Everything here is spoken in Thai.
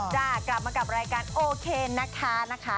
จ้ะกลับมากับรายการโอเคนะคะนะคะ